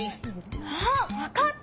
あっわかった！